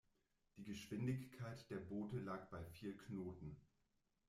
Die Geschwindigkeit der Boote lag bei vier Knoten.